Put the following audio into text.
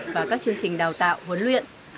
và các chương trình đào tạo huấn luyện